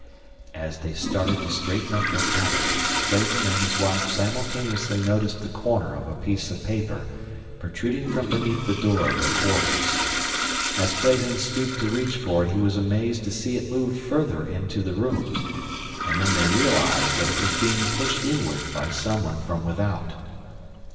As they started to straighten up their cabin, Clayton and his wife simultaneously noticed the corner of a piece of paper protruding from beneath the door of their quarters. As Clayton stooped to reach for it he was amazed to see it move further into the room, and then he realized that it was being pushed inward by someone from without.